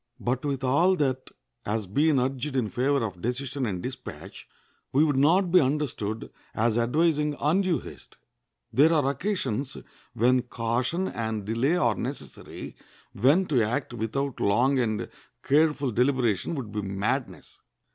But with all that has been urged in favor of decision and dispatch, we would not be understood as advising undue haste. There are occasions when caution and delay are necessary, when to act without long and careful deliberation would be madness.